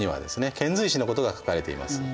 遣隋使のことが書かれています。